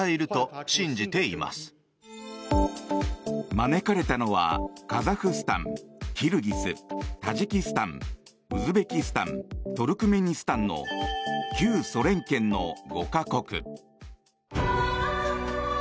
招かれたのは、カザフスタンキルギス、タジキスタンウズベキスタントルクメニスタンの旧ソ連圏の５か国。